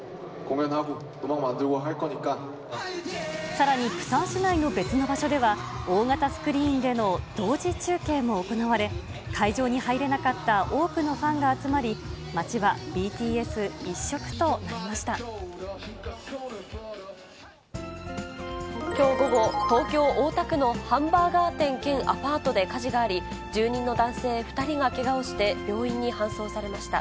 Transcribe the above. さらに、プサン市内の別の場所では、大型スクリーンでの同時中継も行われ、会場に入れなかった多くのファンが集まり、街はＢＴＳ一色となりきょう午後、東京・大田区のハンバーガー店兼アパートで火事があり、住人の男性２人がけがをして病院に搬送されました。